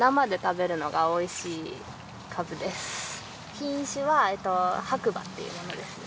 品種は白馬っていうものですね。